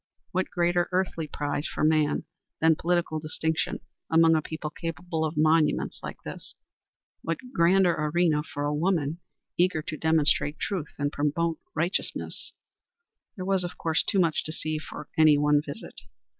What greater earthly prize for man than political distinction among a people capable of monuments like this? What grander arena for a woman eager to demonstrate truth and promote righteousness? There was, of course, too much to see for any one visit.